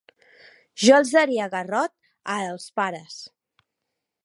Jo els daria garrot a els pares.